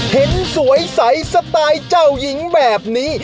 เห็นสวยใสสไตล์เจ้าหญิงแบบนี้